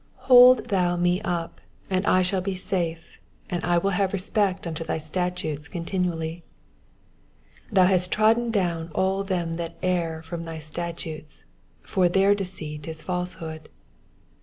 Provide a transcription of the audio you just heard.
117 Hold thou me up, and I shall be safe: and I will have respect unto thy statutes continually. 118 Thou hast trodden down all them that err from thy statutes : for their deceit is falsehood.